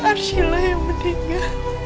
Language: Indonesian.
arsila yang meninggal